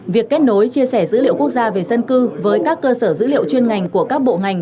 việc kết nối chia sẻ dữ liệu quốc gia về dân cư với các cơ sở dữ liệu chuyên ngành của các bộ ngành